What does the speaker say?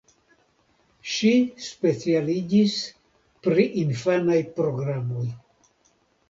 Ŝi specialiĝis pri infanaj programoj.